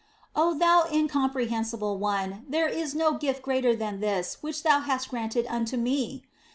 Oh, Thou Incomprehensible One, there is no gift greater than this which Thou hast granted unto me